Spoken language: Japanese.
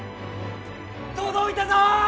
届いたぞ！